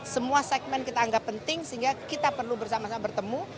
semua segmen kita anggap penting sehingga kita perlu bersama sama bertemu